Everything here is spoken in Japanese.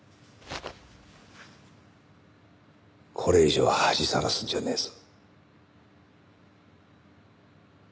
これ以上恥さらすんじゃねえぞ。